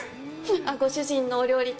あっ、ご主人のお料理と。